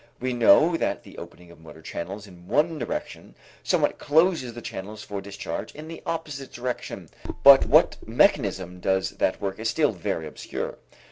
We know that the opening of motor channels in one direction somewhat closes the channels for discharge in the opposite direction, but what mechanism does that work is still very obscure.